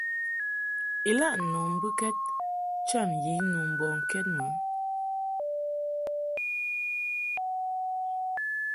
Ilaʼ nu mbɨkɛd cham yi nu mbɔŋkɛd mɨ.